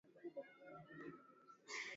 Simiyu Mbarageti Gurumeti Mara na Mori